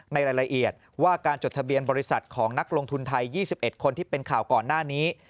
ในรายละเอียดว่าการจดทะเบียนบริษัทของนักลงทุนไทย๒๑คนที่เป็นข่าวก่อนหน้านี้